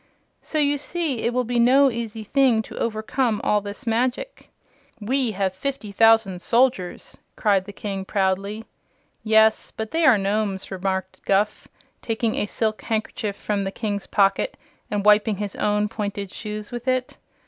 So you see it will be no easy thing to overcome all this magic." "We have fifty thousand soldiers!" cried the King proudly. "Yes; but they are Nomes," remarked Guph, taking a silk handkerchief from the King's pocket and wiping his own pointed shoes with it.